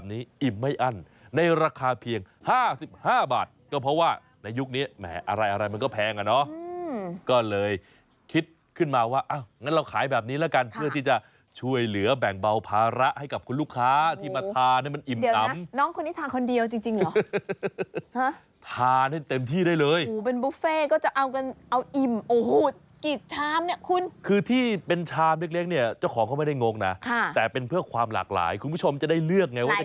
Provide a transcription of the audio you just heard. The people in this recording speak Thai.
คิดขึ้นมาว่าอ้าวงั้นเราขายแบบนี้ละกันเพื่อที่จะช่วยเหลือแบ่งเบาภาระให้กับคุณลูกค้าที่มาทานี่มันอิ่มอำเดี๋ยวนะน้องคนนี้ทานคนเดียวจริงเหรอทานให้เต็มที่ได้เลยโอ้โหเป็นบุฟเฟ่ก็จะเอาอิ่มโอ้โหกี่ชามเนี่ยคุณคือที่เป็นชามเล็กเจ้าของเขาไม่ได้งงนะแต่เป็นเพื่อความหลากหลายคุ